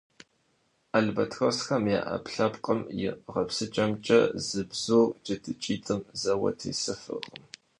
Албатросхэм я Ӏэпкълъэпкъым и гъэпсыкӀэмкӀэ, зы бзур джэдыкӀитӀым зэуэ тесыфыркъым.